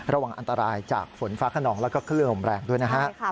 ระหว่างอันตรายจากฝนฟ้าขนองแล้วก็เครื่องอมแรงด้วยนะครับ